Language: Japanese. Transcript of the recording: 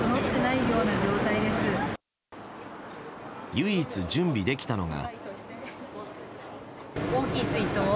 唯一、準備できたのが。